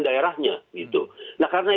daerahnya gitu nah karena